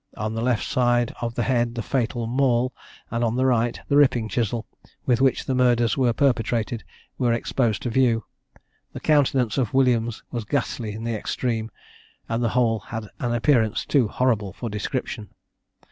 On the left side of the head the fatal maul, and on the right the ripping chisel, with which the murders were perpetrated, were exposed to view. The countenance of Williams was ghastly in the extreme, and the whole had an appearance too horrible for description.